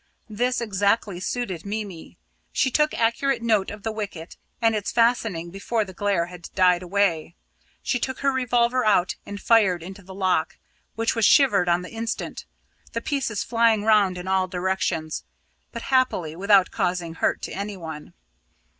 This exactly suited Mimi. She took accurate note of the wicket and its fastening before the glare had died away. She took her revolver out and fired into the lock, which was shivered on the instant, the pieces flying round in all directions, but happily without causing hurt to anyone.